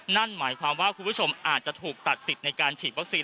นั่นหมายความว่าคุณผู้ชมอาจจะถูกตัดสิทธิ์ในการฉีดวัคซีน